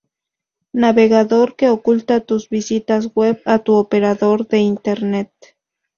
navegador que oculta tus visitas web a tu operador de internet